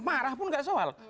marah pun enggak soal